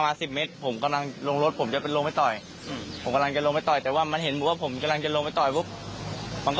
อย่าไปน่ะมึงอย่าไปน่ะแต่พอมันอาจไปป๊าตจะเลยกดยิง